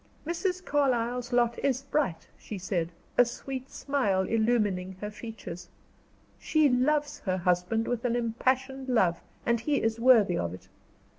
"Mrs. Carlyle's lot is bright," she said, a sweet smile illumining her features. "She loves her husband with an impassioned love; and he is worthy of it.